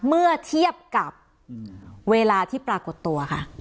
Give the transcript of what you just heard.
เมื่อเทียบกับเวลาที่ปรากฏตัวค่ะ